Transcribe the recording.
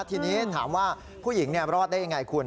ทีนี้ถามว่าผู้หญิงรอดได้ยังไงคุณ